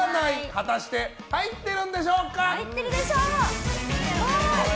果たして入ってるんでしょうか。